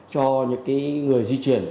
cho những cái người di chuyển